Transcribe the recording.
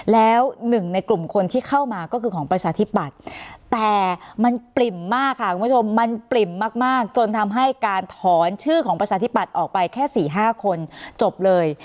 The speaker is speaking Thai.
แล้วหนึ่งในกลุ่มคนที่เข้ามาก็คือของประชาธิปัตย์แต่มันปริ่มมากค่ะคุณผู้ชมมันปริ่มมากจนทำให้การถอนชื่อของประชาธิปัตย์ออกไปแค่๔๕คนจบเลย